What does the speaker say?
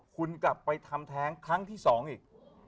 คุณกลับไปทำแท้งครั้งที่๒อีก